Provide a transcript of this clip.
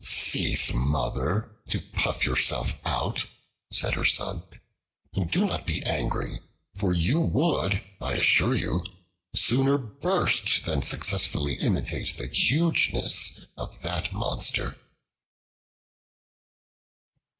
"Cease, Mother, to puff yourself out," said her son, "and do not be angry; for you would, I assure you, sooner burst than successfully imitate the hugeness of that monster."